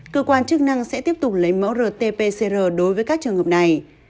cơ quan chức năng sẽ tiếp tục lấy mẫu rt pcr đối với các trường hợp này